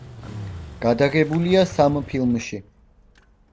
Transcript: გადაღებულია სამ ფილმში.